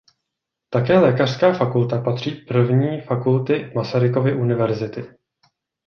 Také lékařská fakulta patří první fakulty Masarykovy univerzity.